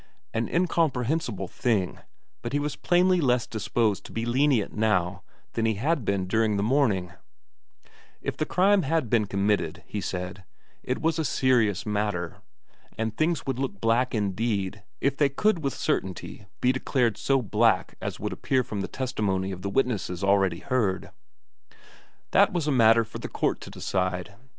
An incomprehensible thing, but he was plainly less disposed to be lenient now than he had been during the morning; if the crime had been committed, he said, it was a serious matter, and things would look black indeed if they could with certainty be declared so black as would appear from the testimony of the witnesses already heard. That was a matter for the court to decide.